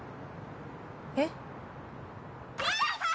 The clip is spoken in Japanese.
えっ？